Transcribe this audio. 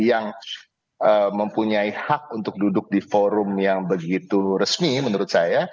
yang mempunyai hak untuk duduk di forum yang begitu resmi menurut saya